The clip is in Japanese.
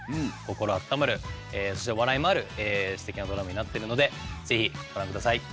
心あったまるそして笑いもあるステキなドラマになってるので是非ご覧下さい。